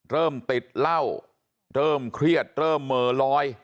เริ่มติดเหล้าเริ่มเครียดเริ่มเหม่อลอย